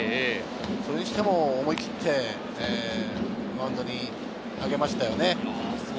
それにしても思い切ってマウンドに上げましたよね。